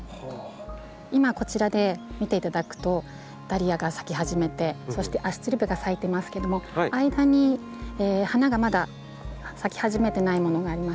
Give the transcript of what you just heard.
今こちらで見ていただくとダリアが咲き始めてそしてアスチルベが咲いてますけども間に花がまだ咲き始めてないものがありますね。